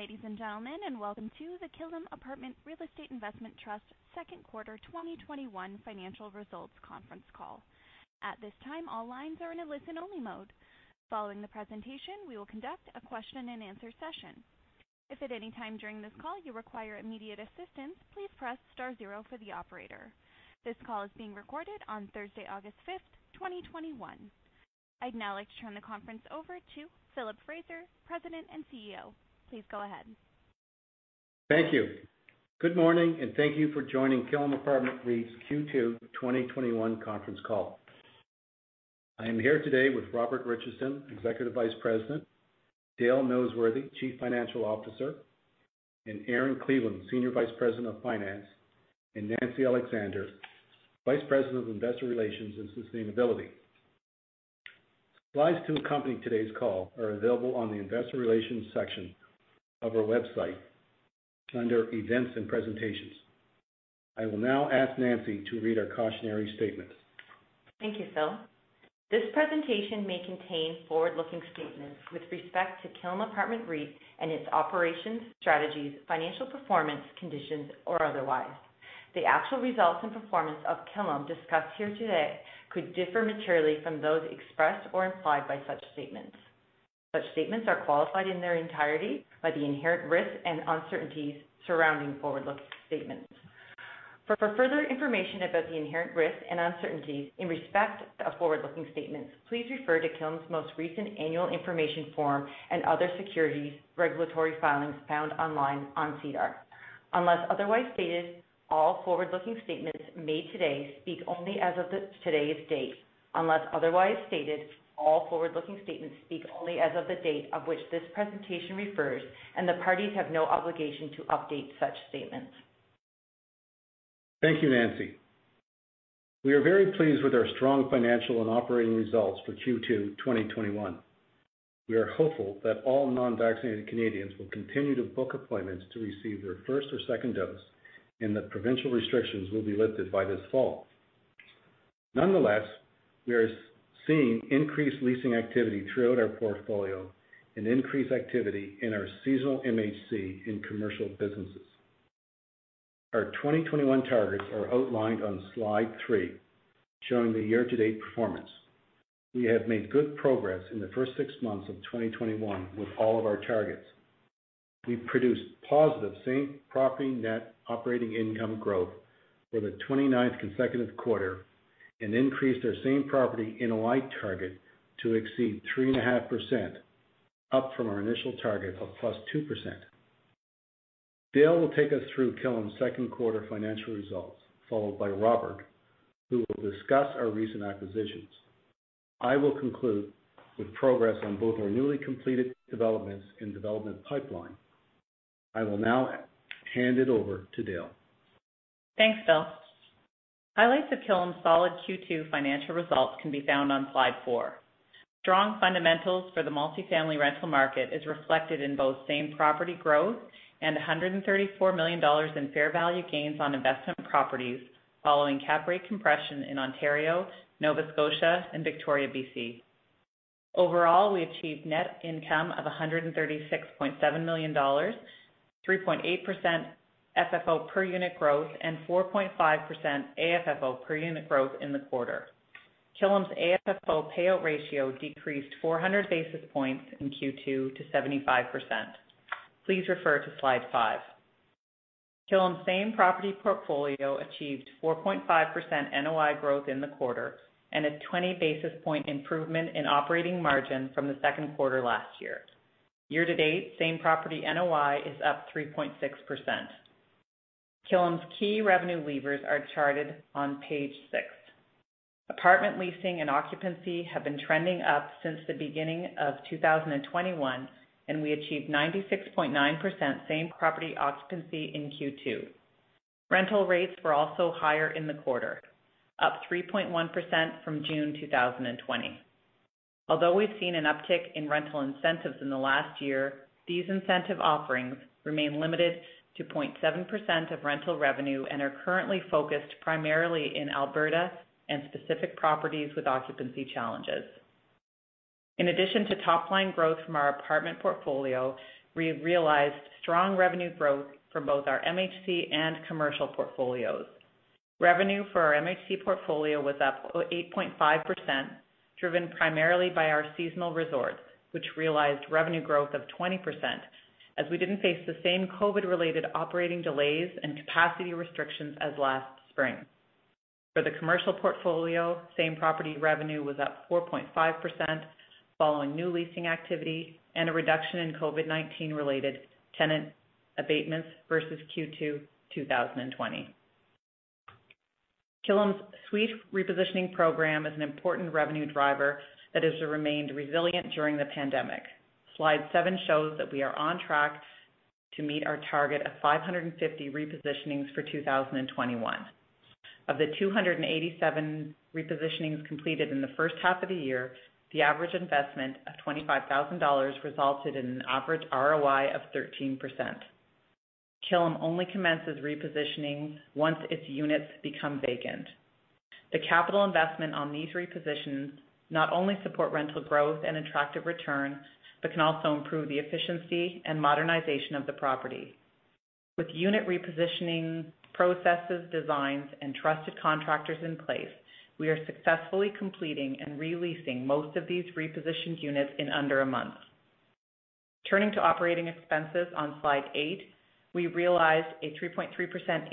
Good morning, ladies and gentlemen, and welcome to the Killam Apartment Real Estate Investment Trust second quarter 2021 financial results conference call. At this time, all lines are in a listen-only mode. Following the presentation, we will conduct a Q&A session. If at any time during this call you require immediate assistance, please press star zero for the operator. This call is being recorded on Thursday, August 5th, 2021. I'd now like to turn the conference over to Philip Fraser, President and CEO. Please go ahead. Thank you. Good morning, and thank you for joining Killam Apartment REIT's Q2 2021 conference call. I am here today with Robert Richardson, Executive Vice President, Dale Noseworthy, Chief Financial Officer, and Erin Cleveland, Senior Vice President of Finance, and Nancy Alexander, Vice President of Investor Relations and Sustainability. Slides to accompany today's call are available on the investor relations section of our website under events and presentations. I will now ask Nancy to read our cautionary statement. Thank you, Phil. This presentation may contain forward-looking statements with respect to Killam Apartment REIT and its operations, strategies, financial performance, conditions, or otherwise. The actual results and performance of Killam discussed here today could differ materially from those expressed or implied by such statements. Such statements are qualified in their entirety by the inherent risks and uncertainties surrounding forward-looking statements. For further information about the inherent risks and uncertainties in respect of forward-looking statements, please refer to Killam's most recent annual information form and other securities regulatory filings found online on SEDAR. Unless otherwise stated, all forward-looking statements made today speak only as of today's date. Unless otherwise stated, all forward-looking statements speak only as of the date of which this presentation refers, and the parties have no obligation to update such statements. Thank you, Nancy. We are very pleased with our strong financial and operating results for Q2 2021. We are hopeful that all non-vaccinated Canadians will continue to book appointments to receive their first or second dose and that provincial restrictions will be lifted by this fall. Nonetheless, we are seeing increased leasing activity throughout our portfolio and increased activity in our seasonal MHC and commercial businesses. Our 2021 targets are outlined on slide three, showing the year-to-date performance. We have made good progress in the first six months of 2021 with all of our targets. We've produced positive same property net operating income growth for the 29th consecutive quarter and increased our same property NOI target to exceed 3.5%, up from our initial target of +2%. Dale will take us through Killam's second quarter financial results, followed by Robert, who will discuss our recent acquisitions. I will conclude with progress on both our newly completed developments and development pipeline. I will now hand it over to Dale. Thanks, Phil. Highlights of Killam's solid Q2 financial results can be found on slide four. Strong fundamentals for the multifamily rental market is reflected in both same property growth and 134 million dollars in fair value gains on investment properties following cap rate compression in Ontario, Nova Scotia, and Victoria, BC. Overall, we achieved net income of 136.7 million dollars, 3.8% FFO per unit growth, and 4.5% AFFO per unit growth in the quarter. Killam's AFFO payout ratio decreased 400 basis points in Q2 to 75%. Please refer to slide five. Killam's same property portfolio achieved 4.5% NOI growth in the quarter and a 20 basis point improvement in operating margin from the second quarter last year. Year to date, same property NOI is up 3.6%. Killam's key revenue levers are charted on page six. Apartment leasing and occupancy have been trending up since the beginning of 2021, and we achieved 96.9% same property occupancy in Q2. Rental rates were also higher in the quarter, up 3.1% from June 2020. Although we've seen an uptick in rental incentives in the last year, these incentive offerings remain limited to 0.7% of rental revenue and are currently focused primarily in Alberta and specific properties with occupancy challenges. In addition to top-line growth from our apartment portfolio, we realized strong revenue growth from both our MHC and commercial portfolios. Revenue for our MHC portfolio was up 8.5%, driven primarily by our seasonal resorts, which realized revenue growth of 20%, as we didn't face the same COVID-related operating delays and capacity restrictions as last spring. For the commercial portfolio, same property revenue was up 4.5%, following new leasing activity and a reduction in COVID-19 related tenant abatements versus Q2 2020. Killam's suite repositioning program is an important revenue driver that has remained resilient during the pandemic. Slide seven shows that we are on track to meet our target of 550 repositionings for 2021. Of the 287 repositionings completed in the first half of the year, the average investment of 25,000 dollars resulted in an average ROI of 13%. Killam only commences repositioning once its units become vacant. The capital investment on these repositions not only support rental growth and attractive returns, but can also improve the efficiency and modernization of the property. With unit repositioning processes, designs, and trusted contractors in place, we are successfully completing and re-leasing most of these repositioned units in under a month. Turning to operating expenses on slide eight, we realized a 3.3%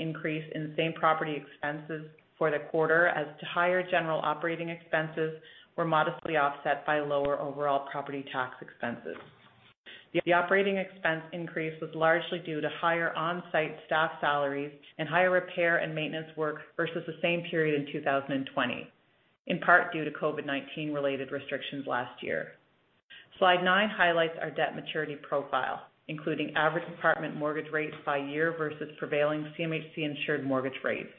increase in same property expenses for the quarter as to higher general operating expenses were modestly offset by lower overall property tax expenses. The operating expense increase was largely due to higher on-site staff salaries and higher repair and maintenance work versus the same period in 2020, in part due to COVID-19 related restrictions last year. Slide nine highlights our debt maturity profile, including average apartment mortgage rates by year versus prevailing CMHC insured mortgage rates.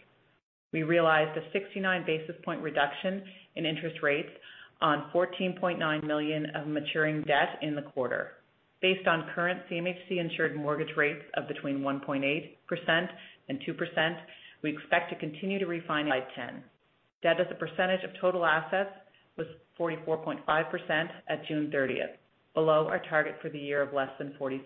We realized a 69 basis point reduction in interest rates on 14.9 million of maturing debt in the quarter. Based on current CMHC insured mortgage rates of between 1.8% and 2%, we expect to continue to refinance. Slide 10. Debt as a percentage of total assets was 44.5% at June 30th, below our target for the year of less than 47%.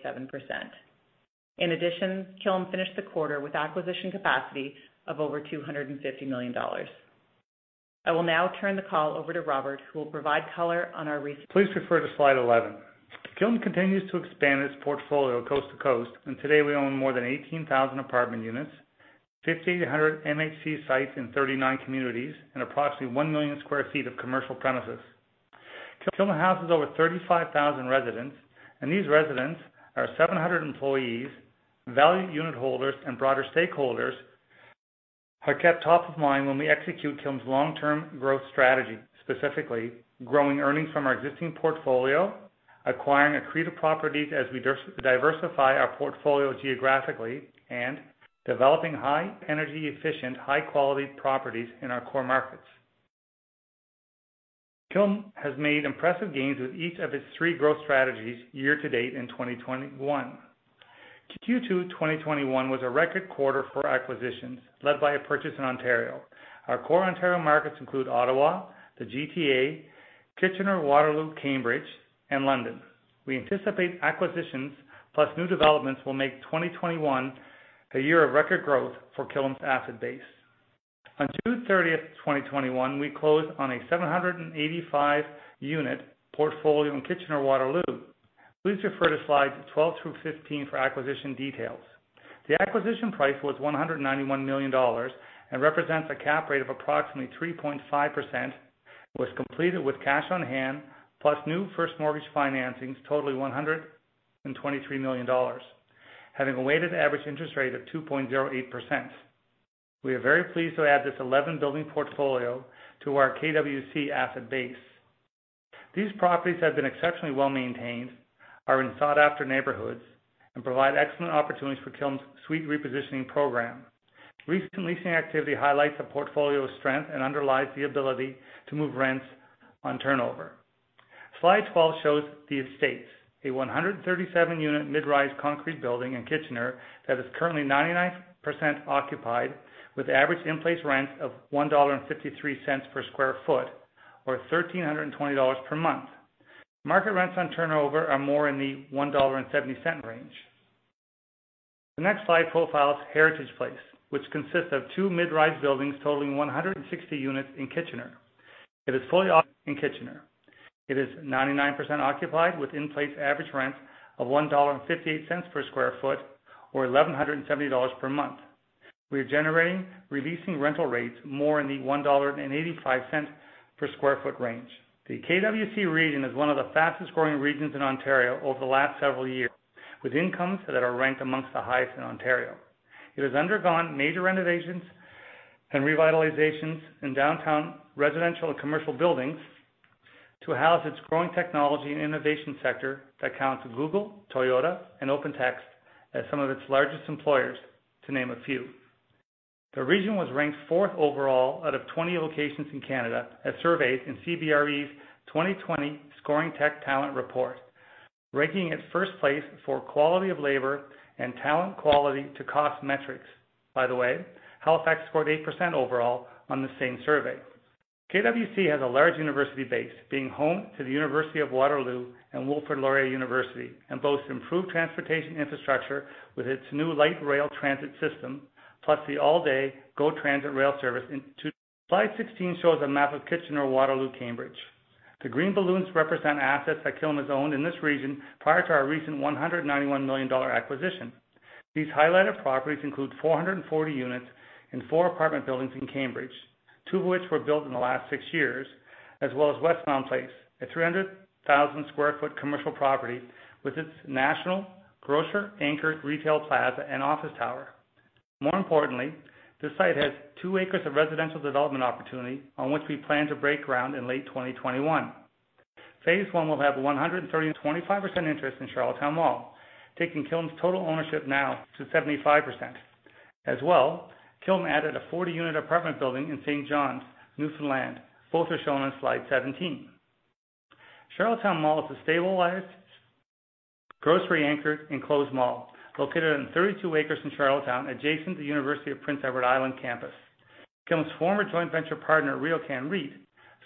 In addition, Killam finished the quarter with acquisition capacity of over 250 million dollars. I will now turn the call over to Robert, who will provide color on our recent- Please refer to slide 11. Killam continues to expand its portfolio coast to coast, and today we own more than 18,000 apartment units, 1,500 MHC sites in 39 communities, and approximately 1 million sq ft of commercial premises. Killam houses over 35,000 residents, and these residents are 700 employees, valued unit holders, and broader stakeholders, are kept top of mind when we execute Killam's long-term growth strategy, specifically growing earnings from our existing portfolio, acquiring accretive properties as we diversify our portfolio geographically, and developing high energy efficient, high quality properties in our core markets. Killam has made impressive gains with each of its three growth strategies year to date in 2021. Q2 2021 was a record quarter for acquisitions, led by a purchase in Ontario. Our core Ontario markets include Ottawa, the GTA, Kitchener-Waterloo-Cambridge, and London. We anticipate acquisitions, plus new developments will make 2021 a year of record growth for Killam's asset base. On June 30th, 2021, we closed on a 785 unit portfolio in Kitchener, Waterloo. Please refer to slides 12 through 15 for acquisition details. The acquisition price was 191 million dollars and represents a cap rate of approximately 3.5%, was completed with cash on hand, plus new first mortgage financings totaling 123 million dollars, having a weighted average interest rate of 2.08%. We are very pleased to add this 11 building portfolio to our KWC asset base. These properties have been exceptionally well-maintained, are in sought-after neighborhoods, and provide excellent opportunities for Killam's suite repositioning program. Recent leasing activity highlights the portfolio's strength and underlies the ability to move rents on turnover. Slide 12 shows The Estates, a 137-unit mid-rise concrete building in Kitchener that is currently 99% occupied with average in-place rents of 1.53 dollar per sq ft or 1,320 dollars per month. Market rents on turnover are more in the 1.70 dollar range. The next slide profiles Heritage Place, which consists of two mid-rise buildings totaling 160 units in Kitchener. It is 99% occupied with in-place average rents of 1.58 dollar per sq ft or 1,170 dollars per month. We are generating leasing rental rates more in the 1.85 dollar per sq ft ange. The KWC region is one of the fastest-growing regions in Ontario over the last several years, with incomes that are ranked amongst the highest in Ontario. It has undergone major renovations and revitalizations in downtown residential and commercial buildings to house its growing technology and innovation sector that counts Google, Toyota, and OpenText as some of its largest employers, to name a few. The region was ranked fourth overall out of 20 locations in Canada as surveyed in CBRE's 2020 Scoring Tech Talent report, ranking it first place for quality of labor and talent quality to cost metrics. By the way, Halifax scored 8% overall on the same survey. KWC has a large university base, being home to the University of Waterloo and Wilfrid Laurier University, and boasts improved transportation infrastructure with its new light rail transit system, plus the all-day GO Transit rail service in. Slide 16 shows a map of Kitchener-Waterloo-Cambridge. The green balloons represent assets that Killam has owned in this region prior to our recent 191 million dollar acquisition. These highlighted properties include 440 units in four apartment buildings in Cambridge, two of which were built in the last six years, as well as Westmount Place, a 300,000 sq ft commercial property with its national grocer anchor, retail plaza, and office tower. More importantly, this site has two acres of residential development opportunity on which we plan to break ground in late 2021. Phase one will have 130. A 25% interest in Charlottetown Mall, taking Killam's total ownership now to 75%. As well, Killam added a 40-unit apartment building in St. John's, Newfoundland. Both are shown on slide 17. Charlottetown Mall is a stabilized, grocery anchored, enclosed mall located on 32 acres in Charlottetown, adjacent to the University of Prince Edward Island campus. Killam's former joint venture partner, RioCan REIT,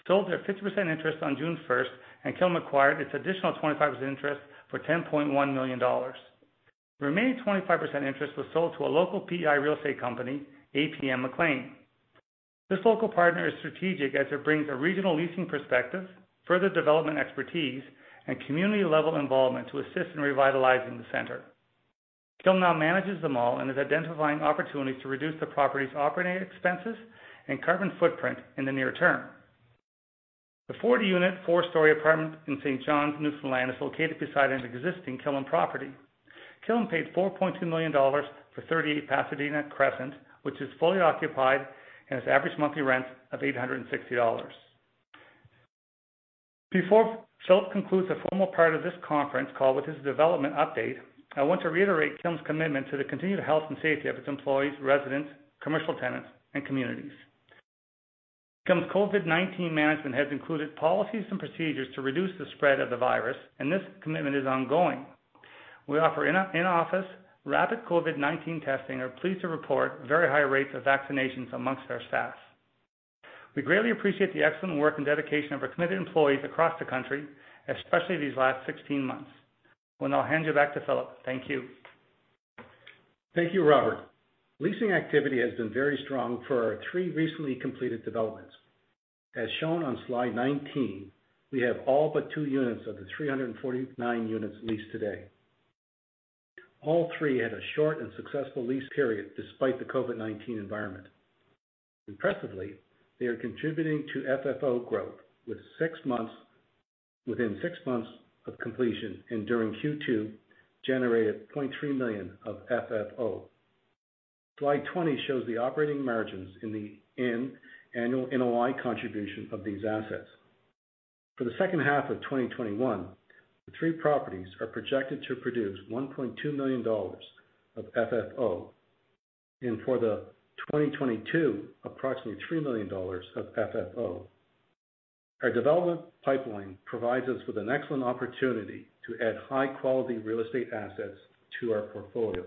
sold their 50% interest on June 1st, and Killam acquired its additional 25% interest for 10.1 million dollars. The remaining 25% interest was sold to a local PEI real estate company, APM MacLean. This local partner is strategic as it brings a regional leasing perspective, further development expertise, and community-level involvement to assist in revitalizing the center. Killam now manages the mall and is identifying opportunities to reduce the property's operating expenses and carbon footprint in the near term. The 40-unit, four-story apartment in St. John's, Newfoundland, is located beside an existing Killam property. Killam paid 4.2 million dollars for 38 Pasadena Crescent, which is fully occupied and has average monthly rents of 860 dollars. Before Philip concludes the formal part of this conference call with his development update, I want to reiterate Killam's commitment to the continued health and safety of its employees, residents, commercial tenants, and communities. Killam's COVID-19 management has included policies and procedures to reduce the spread of the virus, and this commitment is ongoing. We offer in-office rapid COVID-19 testing and are pleased to report very high rates of vaccinations among our staff. We greatly appreciate the excellent work and dedication of our committed employees across the country, especially these last 16 months. I will now hand you back to Philip. Thank you. Thank you, Robert. Leasing activity has been very strong for our three recently completed developments. As shown on slide 19, we have all but two units of the 349 units leased today. All three had a short and successful lease period despite the COVID-19 environment. Impressively, they are contributing to FFO growth within six months of completion, and during Q2, generated 0.3 million of FFO. Slide 20 shows the operating margins and the annual NOI contribution of these assets. For the second half of 2021, the three properties are projected to produce 1.2 million dollars of FFO, and for 2022, approximately 3 million dollars of FFO. Our development pipeline provides us with an excellent opportunity to add high-quality real estate assets to our portfolio.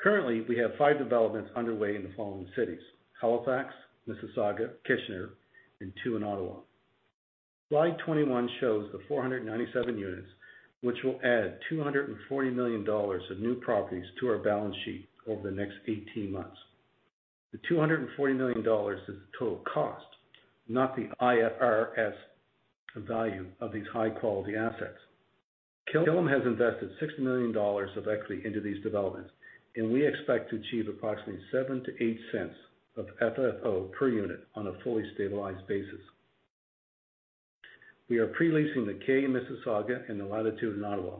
Currently, we have five developments underway in the following cities: Halifax, Mississauga, Kitchener, and two in Ottawa. Slide 21 shows the 497 units which will add 240 million dollars of new properties to our balance sheet over the next 18 months. The 240 million dollars is the total cost, not the IFRS value of these high-quality assets. Killam has invested 6 million dollars of equity into these developments, and we expect to achieve approximately 0.07-0.08 of FFO per unit on a fully stabilized basis. We are pre-leasing The Kay in Mississauga and The Quay in Ottawa,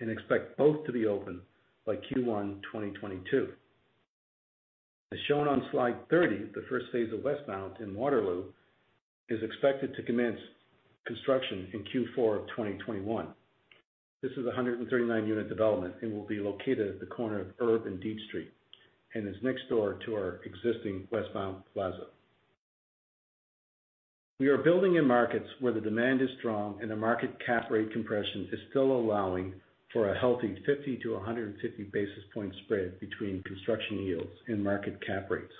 and expect both to be open by Q1 2022. As shown on slide 30, the first phase of Westmount in Waterloo is expected to commence construction in Q4 of 2021. This is a 139-unit development and will be located at the corner of Erb and Dietz Street, and is next door to our existing Westmount Plaza. We are building in markets where the demand is strong, and the market cap rate compression is still allowing for a healthy 50-150 basis point spread between construction yields and market cap rates.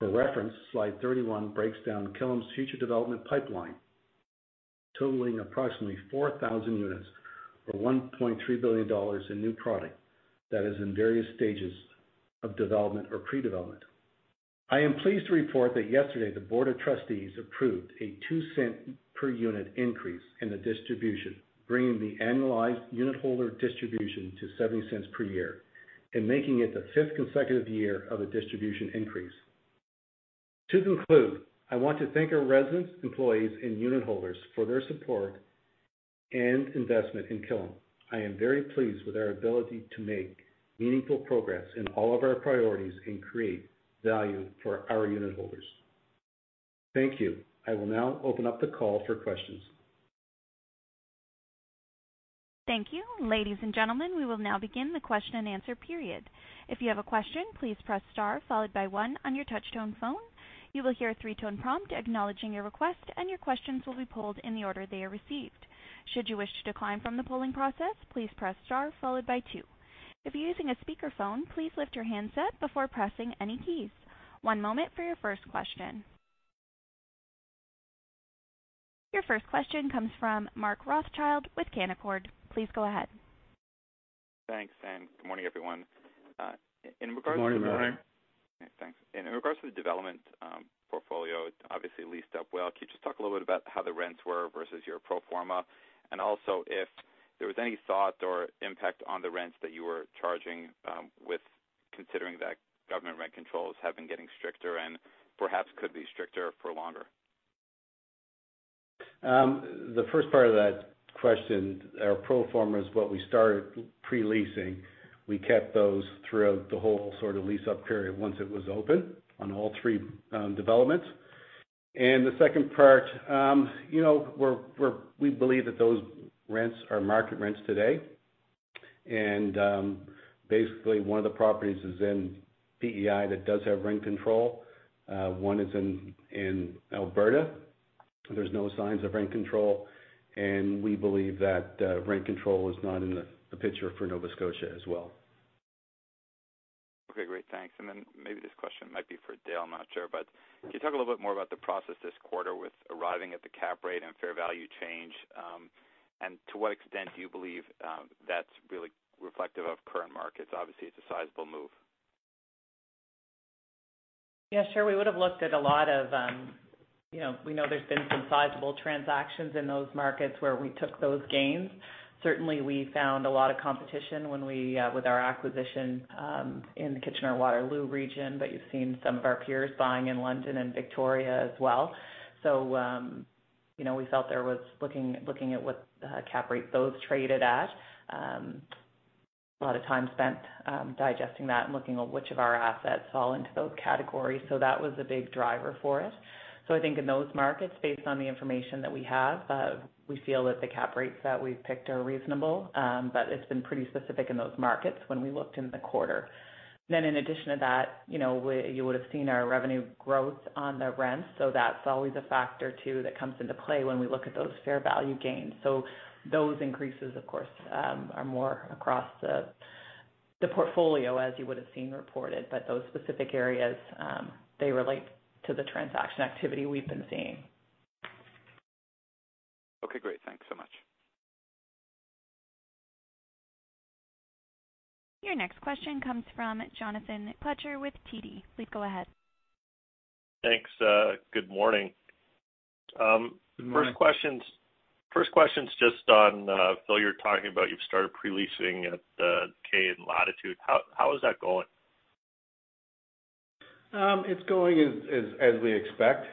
For reference, slide 31 breaks down Killam's future development pipeline, totaling approximately 4,000 units or 1.3 billion dollars in new product that is in various stages of development or pre-development. I am pleased to report that yesterday, the Board of Trustees approved a 0.02 per unit increase in the distribution, bringing the annualized unitholder distribution to 0.70 per year and making it the fifth consecutive year of a distribution increase. To conclude, I want to thank our residents, employees, and unitholders for their support and investment in Killam. I am very pleased with our ability to make meaningful progress in all of our priorities and create value for our unitholders. Thank you. I will now open up the call for questions. Thank you. Ladies and gentlemen, we will now begin the Q&A period. If you have a question, please press star followed by one on your touchtone phone. You will hear a three-tone prompt acknowledging your request, and your questions will be polled in the order they are received. Should you wish to decline from the polling process, please press star followed by two. If you're using a speakerphone, please lift your handset before pressing any keys. One moment for your first question. Your first question comes from Mark Rothschild with Canaccord. Please go ahead. Thanks, and good morning, everyone. Good morning. Thanks. In regards to the development portfolio, it obviously leased up well. Can you just talk a little bit about how the rents were versus your pro forma? also, if there was any thought or impact on the rents that you were charging with considering that government rent controls have been getting stricter and perhaps could be stricter for longer. The first part of that question, our pro forma is what we started pre-leasing. We kept those throughout the whole lease-up period once it was open on all three developments. The second part, we believe that those rents are market rents today. Basically, one of the properties is in PEI that does have rent control. One is in Alberta. There's no signs of rent control, and we believe that rent control is not in the picture for Nova Scotia as well. Okay, great. Thanks. Maybe this question might be for Dale, I'm not sure. Can you talk a little bit more about the process this quarter with arriving at the cap rate and fair value change? To what extent do you believe that's really reflective of current markets? Obviously, it's a sizable move. Yeah, sure. We know there's been some sizable transactions in those markets where we took those gains. Certainly, we found a lot of competition with our acquisition in the Kitchener-Waterloo region, but you've seen some of our peers buying in London and Victoria as well. We felt there was, looking at what cap rate those traded at, a lot of time spent digesting that and looking at which of our assets fall into those categories. That was a big driver for us. I think in those markets, based on the information that we have, we feel that the cap rates that we've picked are reasonable. It's been pretty specific in those markets when we looked in the quarter. In addition to that, you would've seen our revenue growth on the rents, so that's always a factor too, that comes into play when we look at those fair value gains. Those increases, of course, are more across the portfolio, as you would've seen reported, but those specific areas, they relate to the transaction activity we've been seeing. Okay, great. Thanks so much. Your next question comes from Jonathan Kelcher with TD. Please go ahead. Thanks. Good morning. Good morning. First question's just on, Phil, you're talking about you've started pre-leasing at the Kay and Latitude. How is that going? It's going as we expect.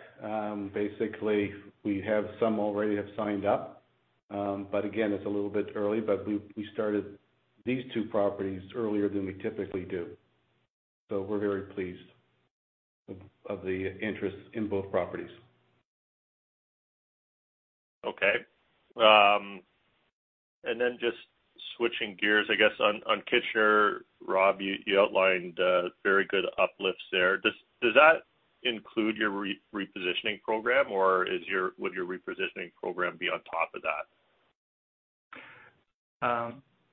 Basically, we have some already have signed up. Again, it's a little bit early, but we started these two properties earlier than we typically do. We're very pleased of the interest in both properties. Okay. Just switching gears, I guess, on Kitchener, Rob, you outlined very good uplifts there. Does that include your repositioning program, or would your repositioning program be on top of that?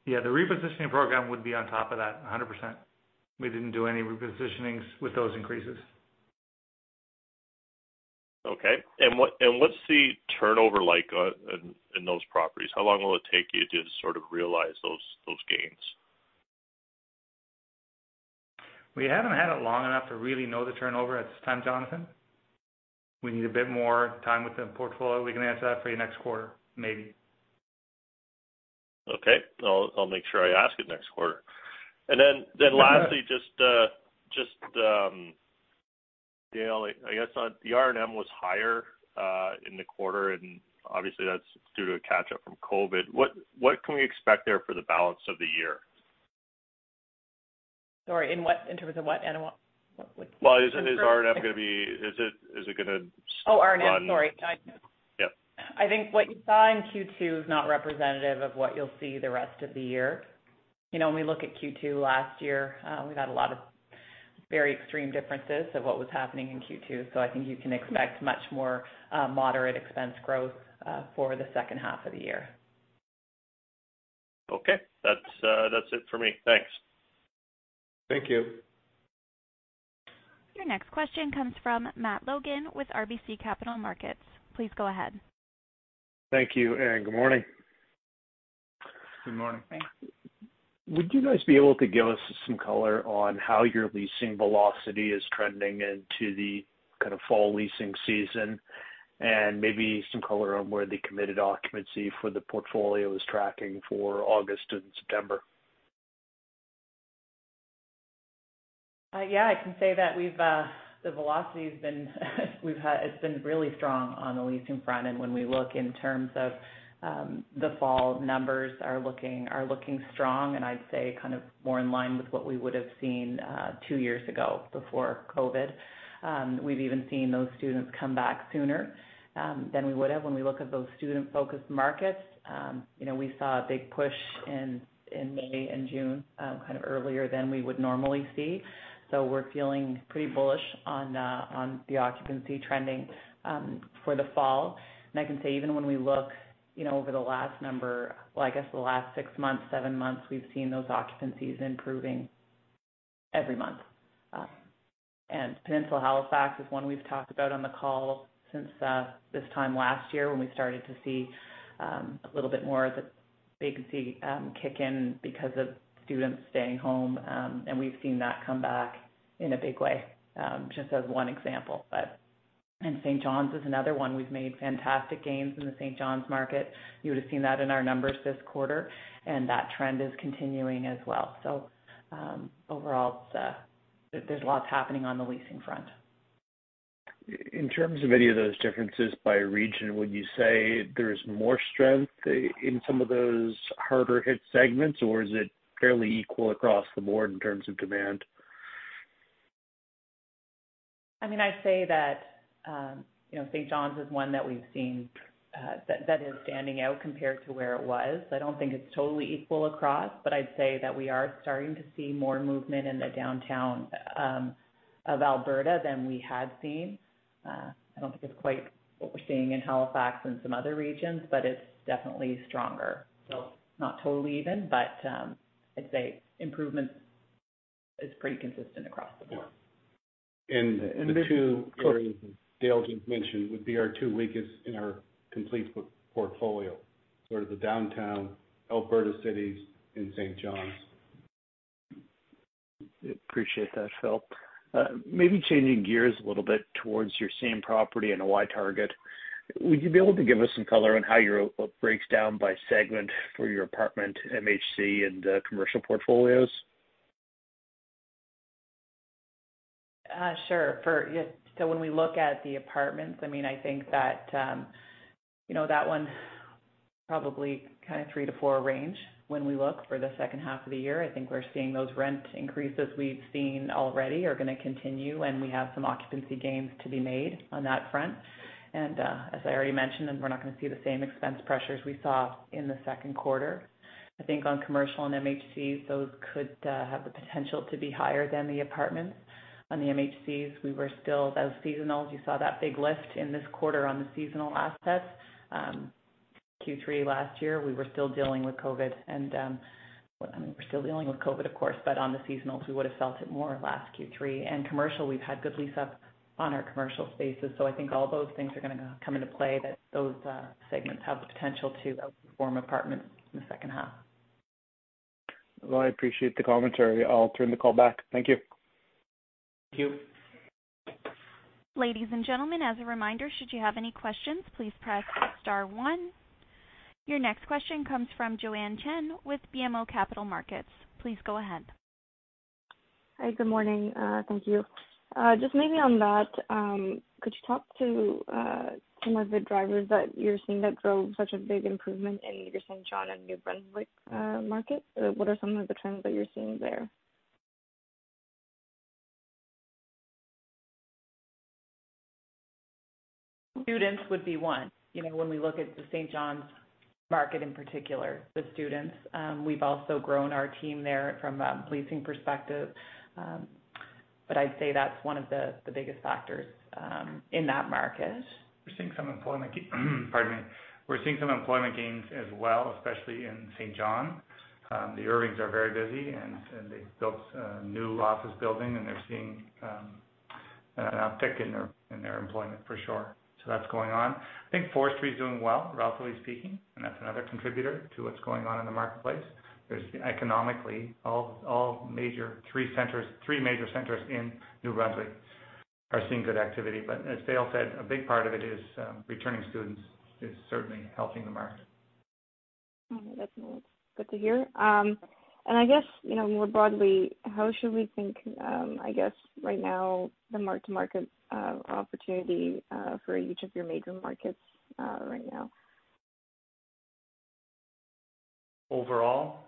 Yeah, the repositioning program would be on top of that 100%. We didn't do any repositionings with those increases. Okay. What's the turnover like in those properties? How long will it take you to sort of realize those gains? We haven't had it long enough to really know the turnover at this time, Jonathan. We need a bit more time with the portfolio. We can answer that for you next quarter, maybe. Okay. I'll make sure I ask it next quarter. Lastly, just Dale, I guess, the R&M was higher in the quarter, and obviously that's due to a catch-up from COVID. What can we expect there for the balance of the year? Sorry, in terms of what? Well, is R&M going to be- Oh, R&M. Sorry. Yep. I think what you saw in Q2 is not representative of what you'll see the rest of the year. When we look at Q2 last year, we had a lot of very extreme differences of what was happening in Q2, so I think you can expect much more moderate expense growth for the second half of the year. Okay. That's it for me. Thanks. Thank you. Your next question comes from Matt Logan with RBC Capital Markets. Please go ahead. Thank you, and good morning. Good morning. Thanks. Would you guys be able to give us some color on how your leasing velocity is trending into the kind of fall leasing season, and maybe some color on where the committed occupancy for the portfolio is tracking for August and September? Yeah, I can say that the velocity it's been really strong on the leasing front. When we look in terms of the fall, numbers are looking strong and I'd say kind of more in line with what we would've seen two years ago before COVID. We've even seen those students come back sooner than we would've. When we look at those student-focused markets, we saw a big push in May and June, kind of earlier than we would normally see. We're feeling pretty bullish on the occupancy trending for the fall. I can say even when we look over the last six months, seven months, we've seen those occupancies improving every month. Peninsula Halifax is one we've talked about on the call since this time last year when we started to see a little bit more of the vacancy kick in because of students staying home. We've seen that come back in a big way, just as one example. St. John's is another one. We've made fantastic gains in the St. John's market. You would've seen that in our numbers this quarter, and that trend is continuing as well. Overall, there's lots happening on the leasing front. In terms of any of those differences by region, would you say there's more strength in some of those harder-hit segments, or is it fairly equal across the board in terms of demand? I'd say that St. John's is one that is standing out compared to where it was. I don't think it's totally equal across, but I'd say that we are starting to see more movement in the downtown of Alberta than we had seen. I don't think it's quite what we're seeing in Halifax and some other regions, but it's definitely stronger. not totally even, but I'd say improvement is pretty consistent across the board. Yeah. The two areas that Dale just mentioned would be our two weakest in our complete portfolio, sort of the downtown Alberta cities and St. John's. Appreciate that, Phil. Maybe changing gears a little bit towards your same property NOI target. Would you be able to give us some color on how your breakdown by segment for your apartment, MHC, and commercial portfolios? Sure. When we look at the apartments, I think that one probably kind of three to four range when we look for the second half of the year. I think we're seeing those rent increases we've seen already are going to continue, and we have some occupancy gains to be made on that front. As I already mentioned, and we're not going to see the same expense pressures we saw in the second quarter. I think on commercial and MHCs, those could have the potential to be higher than the apartments. On the MHCs, we were still as seasonal. You saw that big lift in this quarter on the seasonal assets. Q3 last year, we were still dealing with COVID and, we're still dealing with COVID, of course, but on the seasonals, we would've felt it more last Q3. commercial, we've had good lease-up on our commercial spaces. I think all those things are going to come into play, that those segments have the potential to outperform apartments in the second half. Well, I appreciate the commentary. I'll turn the call back. Thank you. Thank you. Ladies and gentlemen, as a reminder, should you have any questions, please press star one. Your next question comes from Joanne Chen with BMO Capital Markets. Please go ahead. Hi. Good morning. Thank you. Just maybe on that, could you talk to some of the drivers that you're seeing that drove such a big improvement in your St. John and New Brunswick markets? What are some of the trends that you're seeing there? Students would be one. When we look at the St. John's market in particular, the students. We've also grown our team there from a leasing perspective. I'd say that's one of the biggest factors in that market. We're seeing some employment gains as well, especially in St. John. The Irvings are very busy, and they've built a new office building, and they're seeing an uptick in their employment for sure. That's going on. I think forestry's doing well, relatively speaking, and that's another contributor to what's going on in the marketplace. Economically, all three major centers in New Brunswick are seeing good activity. As Dale said, a big part of it is returning students is certainly helping the market. That's good to hear. I guess, more broadly, how should we think, I guess right now, the mark-to-market opportunity for each of your major markets right now? Overall,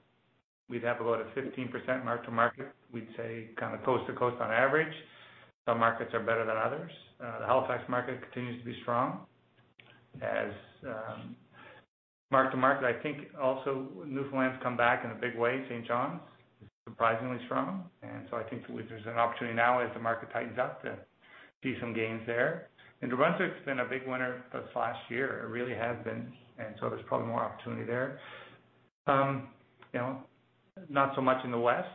we'd have about a 15% mark-to-market, we'd say kind of coast to coast on average. Some markets are better than others. The Halifax market continues to be strong as mark-to-market. I think also Newfoundland's come back in a big way. St. John's is surprisingly strong, and so I think there's an opportunity now as the market tightens up to see some gains there. New Brunswick's been a big winner this last year. It really has been, and so there's probably more opportunity there. Not so much in the West.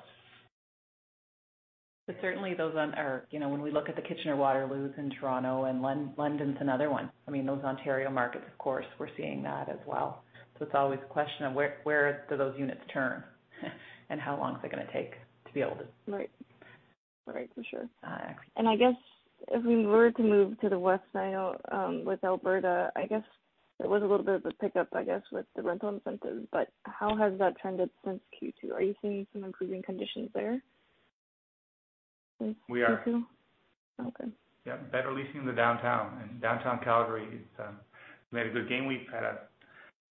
Certainly when we look at the Kitchener-Waterloo's in Toronto, and London's another one. Those Ontario markets, of course, we're seeing that as well. It's always a question of where do those units turn and how long is it going to take to be able to. Right. For sure. Actually. I guess if we were to move to the west side out, with Alberta, I guess there was a little bit of a pickup, I guess, with the rental incentives, but how has that trended since Q2? Are you seeing some improving conditions there since Q2? We are. Okay. Yeah. Better leasing in the downtown. Downtown Calgary's made a good gain. We've had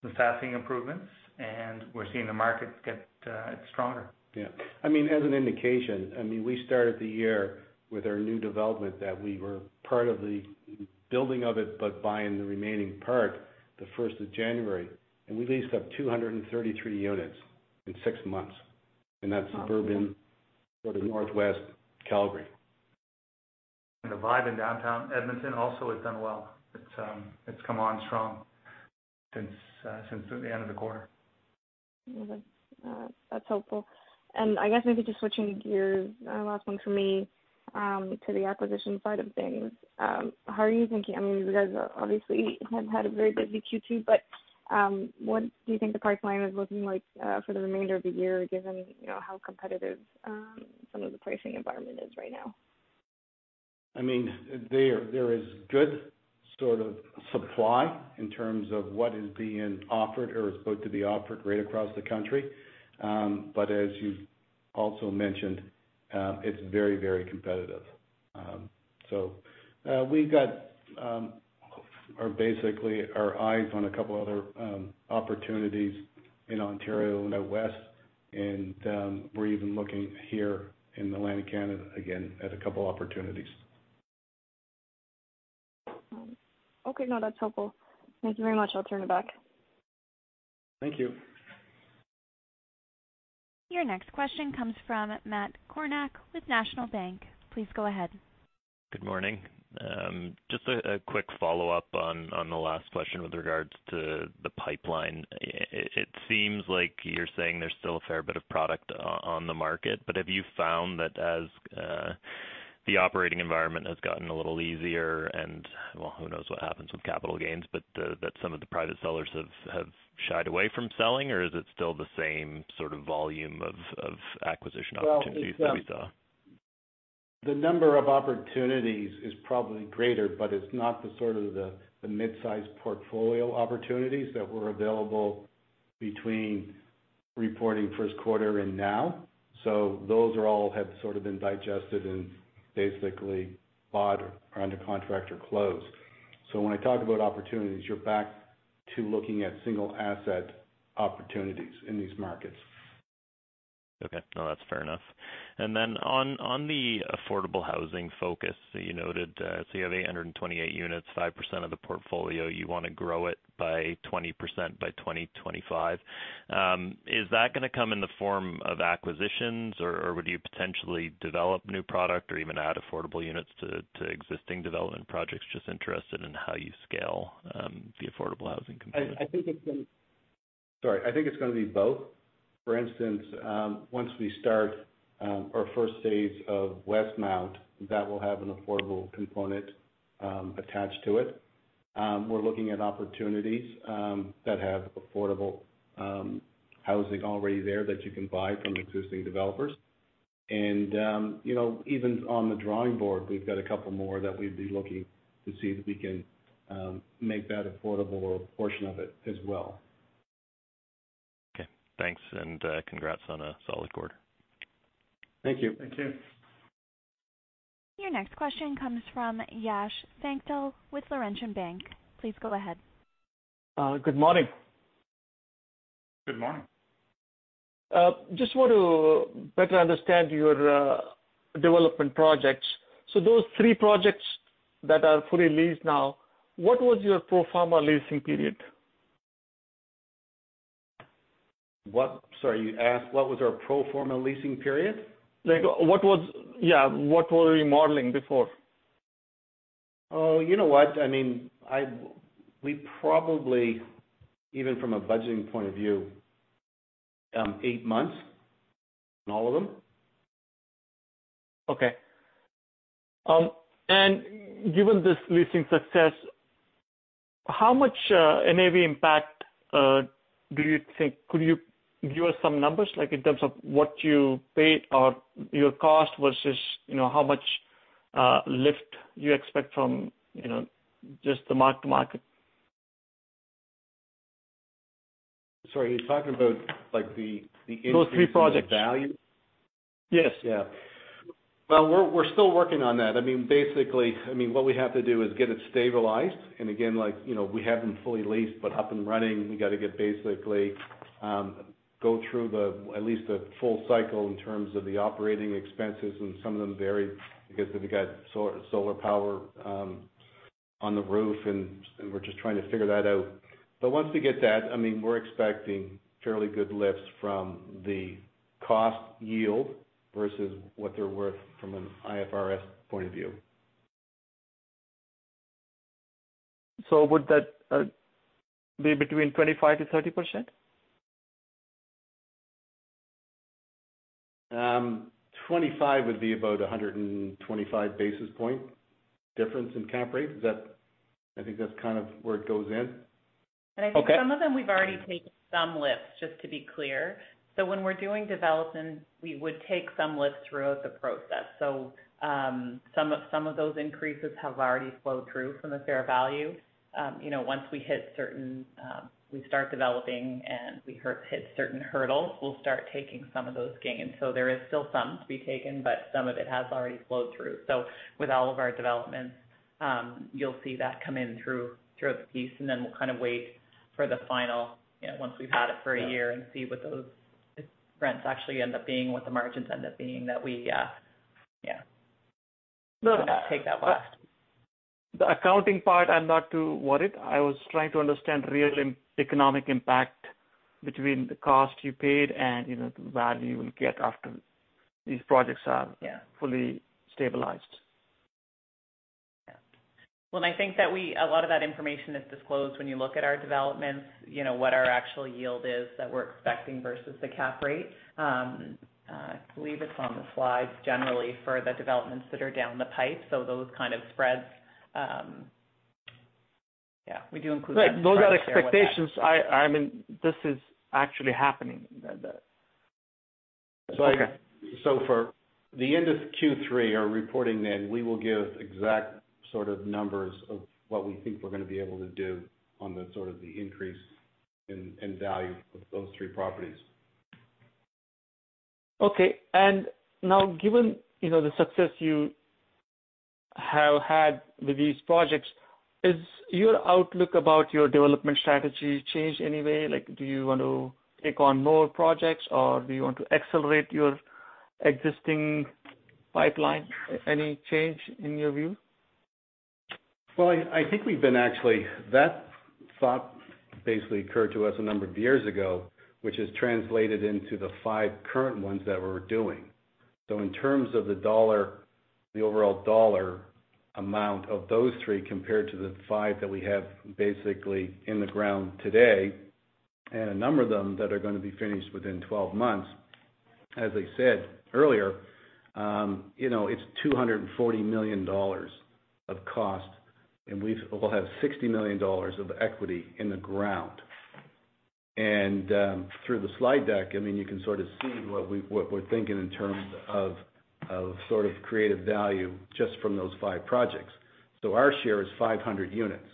some staffing improvements, and we're seeing the markets get stronger. Yeah. As an indication, we started the year with our new development that we were part of the building of it, but buying the remaining part the 1st of January. We leased up 233 units in six months, and that's suburban sort of Northwest Calgary. The vibe in downtown Edmonton also has done well. It's come on strong since the end of the quarter. Okay. That's helpful. I guess maybe just switching gears, last one from me, to the acquisition side of things. How are you thinking? You guys obviously have had a very busy Q2, but what do you think the pipeline is looking like for the remainder of the year, given how competitive some of the pricing environment is right now? There is good sort of supply in terms of what is being offered or is about to be offered right across the country. As you also mentioned, it's very competitive. We've got basically our eyes on a couple other opportunities in Ontario and out west, and we're even looking here in Atlantic Canada again at a couple opportunities. Okay. No, that's helpful. Thank you very much. I'll turn it back. Thank you. Your next question comes from Matt Kornack with National Bank. Please go ahead. Good morning. Just a quick follow-up on the last question with regards to the pipeline. It seems like you're saying there's still a fair bit of product on the market, but have you found that as the operating environment has gotten a little easier and, well, who knows what happens with capital gains, but that some of the private sellers have shied away from selling? Is it still the same sort of volume of acquisition opportunities that we saw? The number of opportunities is probably greater, but it's not the midsize portfolio opportunities that were available between reporting first quarter and now. Those all have sort of been digested and basically bought or are under contract or closed. When I talk about opportunities, you're back to looking at single-asset opportunities in these markets. Okay. No, that's fair enough. On the affordable housing focus that you noted, you have 828 units, 5% of the portfolio, you want to grow it by 20% by 2025. Is that going to come in the form of acquisitions, or would you potentially develop new product or even add affordable units to existing development projects? Just interested in how you scale the affordable housing component. Sorry. I think it's going to be both. For instance, once we start our first phase of Westmount, that will have an affordable component attached to it. We're looking at opportunities that have affordable housing already there that you can buy from existing developers. Even on the drawing board, we've got a couple more that we'd be looking to see if we can make that affordable or a portion of it as well. Okay, thanks, and congrats on a solid quarter. Thank you. Your next question comes from Yash Sankpal with Laurentian Bank. Please go ahead. Good morning. Good morning. Just want to better understand your development projects. Those three projects that are fully leased now, what was your pro forma leasing period? Sorry, you asked what was our pro forma leasing period? Yeah. What were you modeling before? You know what? We probably, even from a budgeting point of view, eight months on all of them. Okay. Given this leasing success, how much NAV impact do you think? Could you give us some numbers, like in terms of what you paid or your cost versus how much lift you expect from just the mark to market? Sorry, are you talking about the increase- Those three projects. in value? Yes. Yeah. Well, we're still working on that. Basically, what we have to do is get it stabilized, and again, we have them fully leased, but up and running. We got to basically go through at least a full cycle in terms of the operating expenses, and some of them vary because we've got solar power on the roof, and we're just trying to figure that out. Once we get that, we're expecting fairly good lifts from the cost yield versus what they're worth from an IFRS point of view. Would that be between 25%-30%? 25 would be about 125 basis point difference in cap rate. I think that's kind of where it goes in. Okay. I think some of them, we've already taken some lifts, just to be clear. When we're doing development, we would take some lifts throughout the process. Some of those increases have already flowed through from the fair value. Once we start developing and we hit certain hurdles, we'll start taking some of those gains. There is still some to be taken, but some of it has already flowed through. With all of our developments, you'll see that come in throughout the piece, and then we'll kind of wait for the final, once we've had it for a year and see what those rents actually end up being, what the margins end up being that we- No. take that last. The accounting part, I'm not too worried. I was trying to understand real economic impact between the cost you paid and the value you will get after these projects are- Yeah. fully stabilized. Yeah. Well, I think that a lot of that information is disclosed when you look at our developments, what our actual yield is that we're expecting versus the cap rate. I believe it's on the slides generally for the developments that are down the pipe, so those kind of spreads. Yeah, we do include that. Sorry to share all that. Those are expectations. This is actually happening. For the end of Q3, our reporting then, we will give exact sort of numbers of what we think we're going to be able to do on the sort of the increase in value of those three properties. Okay. Now, given the success you have had with these projects, has your outlook about your development strategy changed in any way? Do you want to take on more projects, or do you want to accelerate your existing pipeline? Any change in your view? Well, I think that thought basically occurred to us a number of years ago, which has translated into the five current ones that we're doing. In terms of the overall dollar amount of those three compared to the five that we have basically in the ground today, and a number of them that are going to be finished within 12 months, as I said earlier, it's 240 million dollars of cost, and we will have 60 million dollars of equity in the ground. Through the slide deck, you can sort of see what we're thinking in terms of creating value just from those five projects. Our share is 500 units.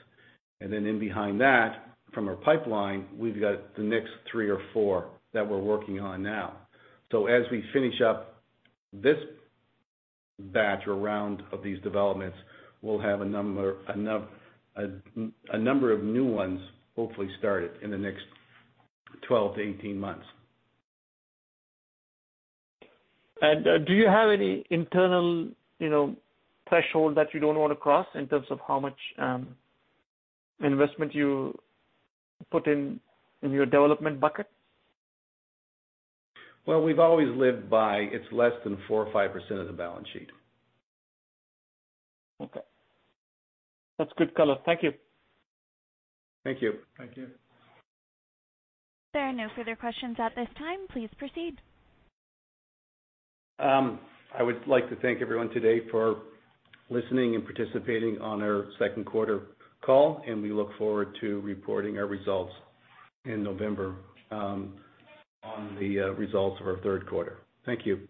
Then in behind that, from our pipeline, we've got the next three or four that we're working on now. As we finish up this batch or round of these developments, we'll have a number of new ones hopefully started in the next 12-18 months. Do you have any internal threshold that you don't want to cross in terms of how much investment you put in your development bucket? Well, we've always lived by, it's less than 4% or 5% of the balance sheet. Okay. That's good color. Thank you. Thank you. Thank you. There are no further questions at this time. Please proceed. I would like to thank everyone today for listening and participating on our second quarter call, and we look forward to reporting our results in November on the results of our third quarter. Thank you.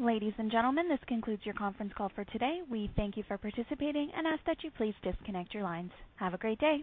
Ladies and gentlemen, this concludes your conference call for today. We thank you for participating and ask that you please disconnect your lines. Have a great day